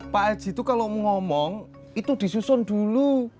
pak aci tuh kalau mau ngomong itu disusun dulu